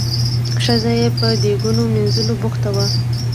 ښځه یې په دیګونو مینځلو بوخته وه.